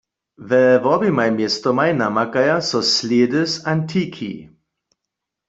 We woběmaj městomaj namakaja so slědy z antiki.